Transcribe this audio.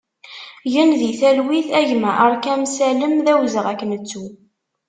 Gen di talwit a gma Arkam Salem, d awezɣi ad k-nettu!